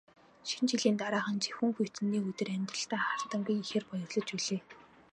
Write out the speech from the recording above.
Шинэ жилийн дараахан жихүүн хүйтэн нэг өдөр амьдралдаа мартамгүй ихээр баярлаж билээ.